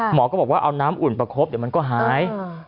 หมอก็บอกว่าเอาน้ำอุ่นประคบเดี๋ยวมันก็หาย